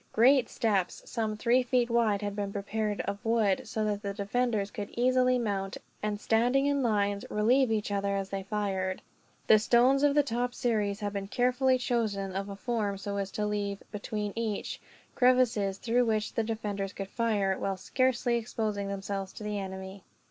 Great steps, some three feet wide, had been prepared of wood; so that the defenders could easily mount and, standing in lines, relieve each other as they fired. The stones of the top series had been carefully chosen of a form so as to leave, between each, crevices through which the defenders could fire, while scarcely exposing themselves to the enemy.